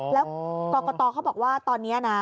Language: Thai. แล้วกรกตเขาบอกว่าตอนนี้นะ